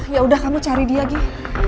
yaudah kamu cari dia dik